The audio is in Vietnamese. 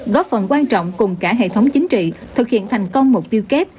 góp phần quan trọng cùng cả hệ thống chính trị thực hiện thành công mục tiêu kép